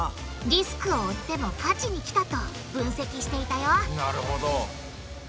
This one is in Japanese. リスクを負っても勝ちにきたと分析していたよなるほど！